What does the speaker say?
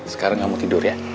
sekarang kamu tidur ya